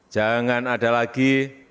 jangan ada lagi satu dua